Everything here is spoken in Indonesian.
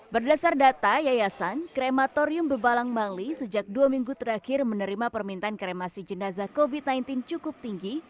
berdasar data yayasan krematorium bebalang bangli sejak dua minggu terakhir menerima permintaan kremasi jenazah covid sembilan belas cukup tinggi